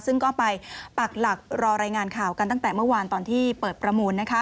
ซึ่งก็ไปปักหลักรอรายงานข่าวกันตั้งแต่เมื่อวานตอนที่เปิดประมูล